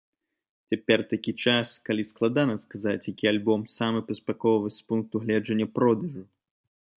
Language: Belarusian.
Цяпер такі час, калі складана сказаць, які альбом самы паспяховы з пункту гледжання продажу.